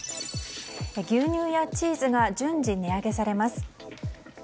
牛乳やチーズが順次値上げされます。